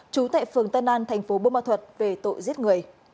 trú tại phường tân an tp bô ma thuật về tội giết người